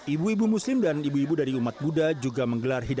ibu ibu muslim dan ibu ibu dari umat buddha juga menggelar hidangan